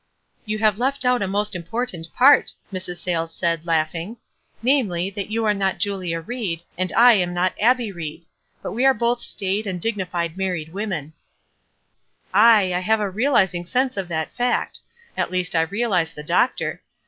"You have left out a most important part," Mrs. Sayles said, laughing; "namely, that you are not Julia Ried, and I a J) not Abbie Ried ; but we are both staid and dignified married women." WISE AND OTHERWISE. 7 "Aye, I have a realizing sense of that fact; at least I realize the doctor.